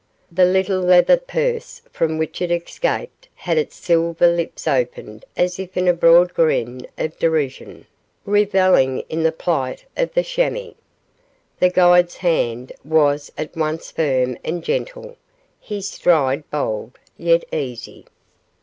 The little leather purse from which it escaped had its silver lips opened as if in a broad grin of derision, reveling in the plight of the chamois. The guide's hand was at once firm and gentle, his stride bold, yet easy.